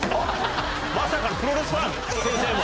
まさかのプロレスファン先生も。